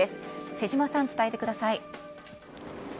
瀬島さん、伝えてください。